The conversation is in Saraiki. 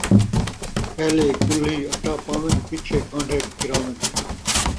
پہلے کُلھی اٹا پاون، پچھے کانڈھے پھراوِن